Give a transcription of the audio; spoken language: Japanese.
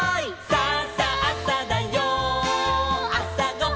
「さあさあさだよあさごはん」